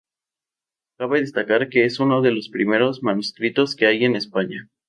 Cabe destacar que es uno de los primeros manuscritos que hay en España.